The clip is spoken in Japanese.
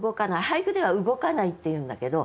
俳句では「動かない」って言うんだけど。